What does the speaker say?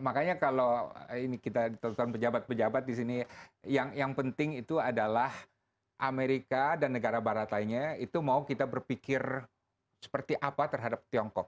makanya kalau ini kita pejabat pejabat di sini yang penting itu adalah amerika dan negara baratanya itu mau kita berpikir seperti apa terhadap tiongkok